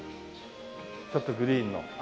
ちょっとグリーンの。